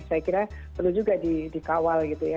saya kira perlu juga dikawal gitu ya